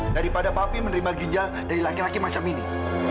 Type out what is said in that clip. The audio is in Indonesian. daripada papi menerima ginjal dari laki laki macam ini